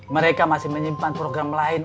mereka masih menyimpan program lain